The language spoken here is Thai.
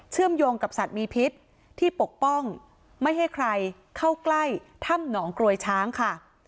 มยงกับสัตว์มีพิษที่ปกป้องไม่ให้ใครเข้าใกล้ถ้ำหนองกรวยช้างค่ะ